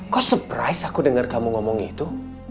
kok surprise aku dengar kamu ngomong itu